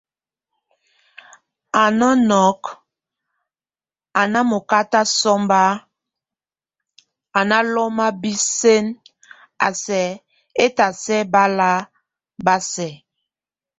A nɔnɔk, a ná mokáta somba, a náloma bisen, a sɛk étasɛ bá la ba sɛk.